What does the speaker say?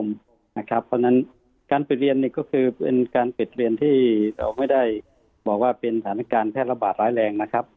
เพราะฉะนั้นการปิดเรียนนี่ก็คือเป็นการปิดเรียนที่เราไม่ได้บอกว่าเป็นสถานการณ์แพร่ระบาดร้ายแรงนะครับ